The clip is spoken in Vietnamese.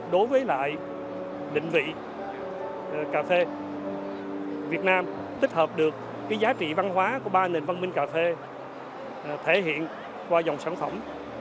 đối với lại định vị cà phê việt nam tích hợp được giá trị văn hóa của ba nền văn minh cà phê thể hiện qua dòng sản phẩm